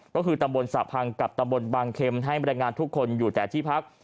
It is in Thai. ก็คือตำบลสระพังกับตำบลบางเข็มให้บรรยายงานทุกคนอยู่แต่ที่พัก